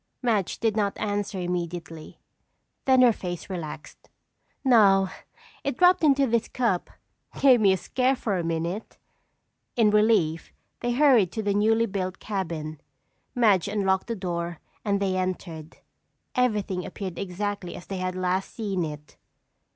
Madge did not answer immediately. Then her face relaxed. "No, it dropped into this cup. Gave me a scare for a minute." In relief, they hurried to the newly built cabin. Madge unlocked the door and they entered. Everything appeared exactly as they had last seen it.